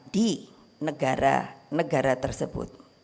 di negara negara tersebut